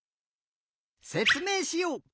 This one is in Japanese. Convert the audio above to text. せつめいしよう。